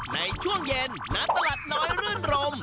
ในช่วงเย็นณตลาดน้อยรื่นรม